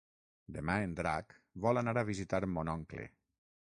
Demà en Drac vol anar a visitar mon oncle.